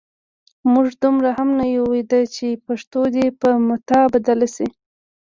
موږ دومره هم نه یو ویده چې پښتو دې په متاع بدله شي.